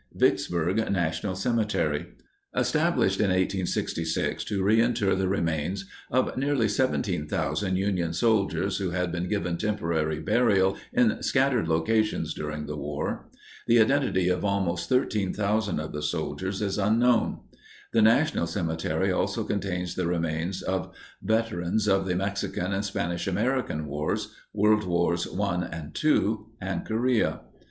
VICKSBURG NATIONAL CEMETERY. Established in 1866 to reinter the remains of nearly 17,000 Union soldiers who had been given temporary burial in scattered locations during the war. The identity of almost 13,000 of the soldiers is unknown. The national cemetery also contains the remains of veterans of the Mexican and Spanish American Wars, World Wars I and II, and Korea.